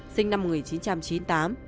sinh năm một nghìn chín trăm chín mươi tám